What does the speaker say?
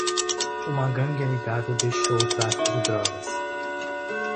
Uma gangue amigável deixou o tráfico de drogas.